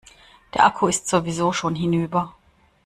Der Akku ist sowieso schon hinüber.